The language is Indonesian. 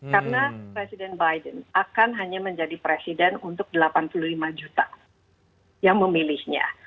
karena presiden biden akan hanya menjadi presiden untuk delapan puluh lima juta yang memilihnya